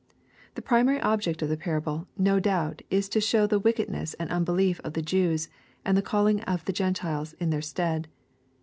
The primary object of the parable, no doubt, is to show the wick edness and unbeUef of the Jews, and the calling of the Gentiles in their stead.